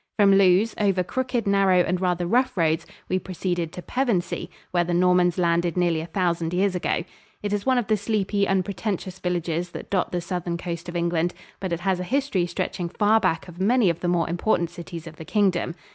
From Lewes, over crooked, narrow and rather rough roads, we proceeded to Pevensey, where the Normans landed nearly a thousand years ago. It is one of the sleepy, unpretentious villages that dot the southern coast of England, but it has a history stretching far back of many of the more important cities of the Kingdom.